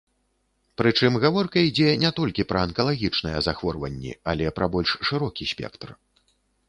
Прычым гаворка ідзе не толькі пра анкалагічныя захворванні, але пра больш шырокі спектр.